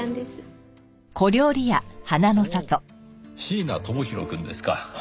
ほう椎名智弘くんですか。